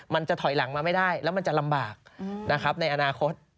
มันจะถอยหลังมาไม่ได้แล้วมันจะลำบากนะครับในอนาคต